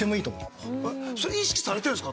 それ意識されてるんですか？